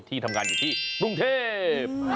ที่ทำงานอยู่ที่กรุงเทพ